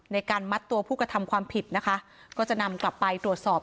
ในการมัดตัวผู้กระทำความผิดนะคะก็จะนำกลับไปตรวจสอบ